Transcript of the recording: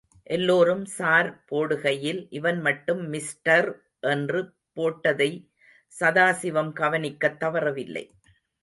எல்லோரும் ஸார் போடுகையில், இவன் மட்டும் மிஸ்டர் என்று போட்டதை சதாசிவம் கவனிக்கத் தவறவில்லை.